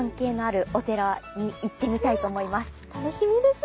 楽しみです。